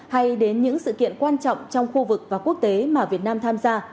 hay đến những sự kiện quan trọng trong khu vực và quốc tế mà việt nam tham gia